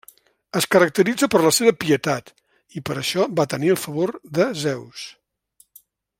Es caracteritza per la seva pietat, i per això va tenir el favor de Zeus.